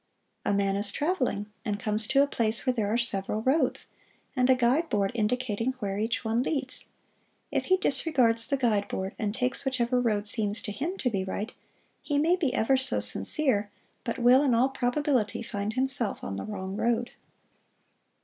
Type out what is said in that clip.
A man is traveling, and comes to a place where there are several roads, and a guide board indicating where each one leads. If he disregards the guide board, and takes whichever road seems to him to be right, he may be ever so sincere, but will in all probability find himself on the wrong road.